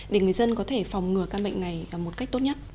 để người dân có thể phòng ngừa căn bệnh này một cách tốt nhất